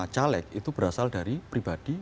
caleg itu berasal dari pribadi